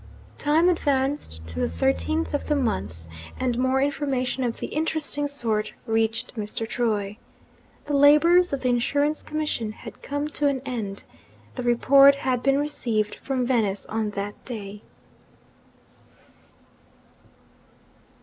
Time advanced to the 13th of the month; and more information of the interesting sort reached Mr. Troy. The labours of the insurance commission had come to an end the report had been received from Venice on that day.